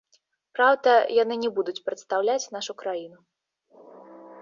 Праўда, яны не будуць прадстаўляць нашу краіну.